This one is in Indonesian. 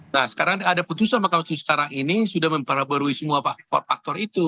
nah sekarang ada putusan mahkamah konstitusi sekarang ini sudah memperhabarui semua faktor itu